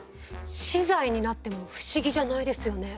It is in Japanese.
死罪になっても不思議じゃないですよね。